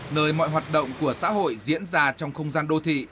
nơi mọi hoạt động của xã hội diễn ra trong không gian đô thị